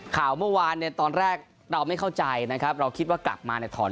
ข่าวเมื่อวานตอนแรกเราไม่เข้าใจครับเราคิดว่ากลับมาถอน